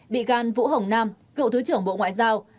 bị can vũ hồng nam cựu thứ trưởng bộ ngoại giao